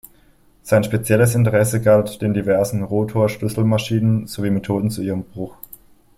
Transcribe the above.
Sein spezielles Interesse galt den diversen Rotor-Schlüsselmaschinen sowie Methoden zu ihrem Bruch.